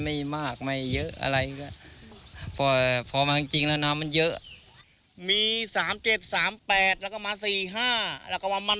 ไม่มากไม่เยอะอะไรอื่นจากพอพอมั่งจริงน้ำมันเยอะมี๓๗๓๘แล้วก็มา๔๕แล้วก็มา